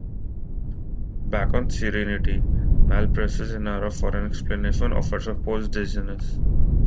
Back on "Serenity", Mal presses Inara for an explanation of her supposed dizziness.